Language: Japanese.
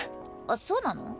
あっそうなの？